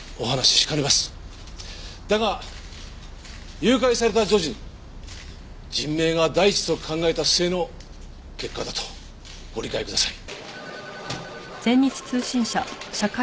だが誘拐された女児の人命が第一と考えた末の結果だとご理解ください。